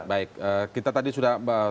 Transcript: baik kita tadi sudah